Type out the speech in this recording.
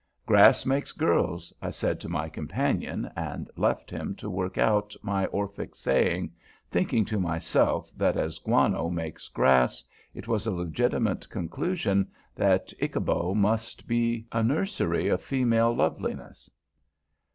"Grass makes girls." I said to my companion, and left him to work out my Orphic saying, thinking to myself, that as guano makes grass, it was a legitimate conclusion that Ichaboe must be a nursery of female loveliness.